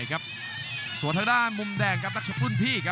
กรุงฝาพัดจินด้า